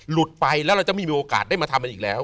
หลุดไปแล้วเราจะไม่มีโอกาสได้มาทำมันอีกแล้ว